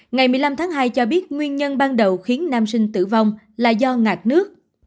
ngày một mươi năm tháng hai cho biết nguyên nhân ban đầu khiến nam sinh tử vong là do ngạc nước